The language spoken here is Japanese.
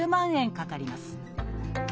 かかります。